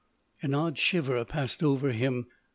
An odd shiver passed over him.